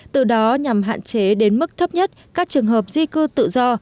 từ đó nhằm hạn chế đến mức thấp nhất các trường hợp di cư tự do